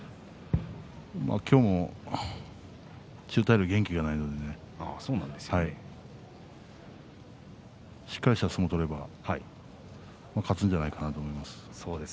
今日も千代大龍は元気がないんでしっかりした相撲を取れば勝つんじゃないかなと思います。